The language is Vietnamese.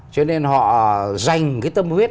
cho nên họ dành cái tâm huyết